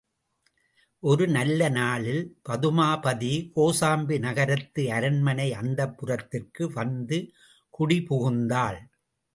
ஒரு நல்ல நாளில் பதுமாபதி, கோசாம்பி நகரத்து அரண்மனை அந்தப்புரத்திற்கு வந்து குடி புகுந்தாள்.